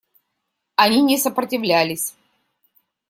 Они не сопротивлялись.